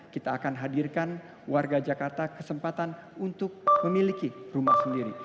kita akan hadirkan warga jakarta kesempatan untuk memiliki rumah sendiri